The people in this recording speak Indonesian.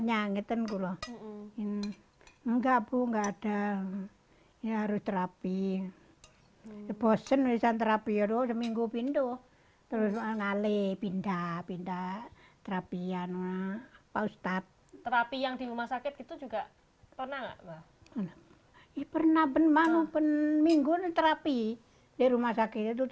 nazila selalu mengalami penyakit tersebut